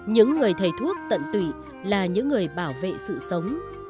những người thầy thuốc tận tụy là những người bảo vệ sự sống